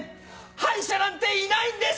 敗者なんていないんです！